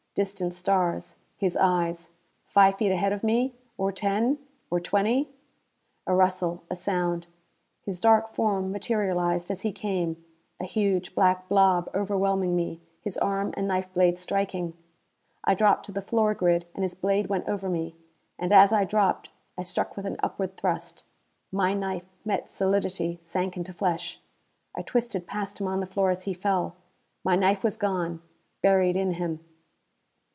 Distant stars. His eyes! Five feet ahead of me? Or ten? Or twenty? A rustle. A sound. His dark form materialized as he came a huge, black blob overwhelming me, his arm and knife blade striking. I dropped to the floor grid, and his blade went over me. And as I dropped, I struck with an upward thrust. My knife met solidity; sank into flesh. I twisted past him on the floor as he fell. My knife was gone: buried in him.